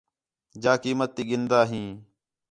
جا قیمت تی گِھندا ہیں